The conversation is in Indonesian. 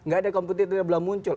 gak ada komputer yang belum muncul